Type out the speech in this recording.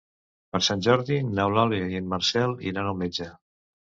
Per Sant Jordi n'Eulàlia i en Marcel iran al metge.